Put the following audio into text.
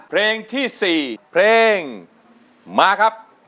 เพลงที่๔เพลงมาครับ